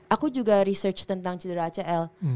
aku juga research tentang cedera acl